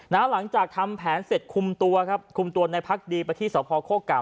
นะหลังจากทำแผนเสร็จคุมตัวครับคุมตัวในพรรคดีประธิเศรษฐภาครวกกำ